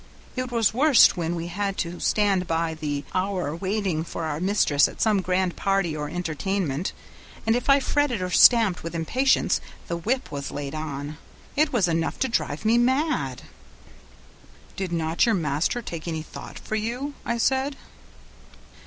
It was worst when we had to stand by the hour waiting for our mistress at some grand party or entertainment, and if I fretted or stamped with impatience the whip was laid on. It was enough to drive one mad." "Did not your master take any thought for you?" I said.